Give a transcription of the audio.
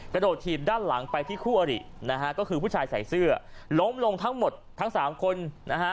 กระโดดถีบด้านหลังไปที่คู่อรินะฮะก็คือผู้ชายใส่เสื้อล้มลงทั้งหมดทั้งสามคนนะฮะ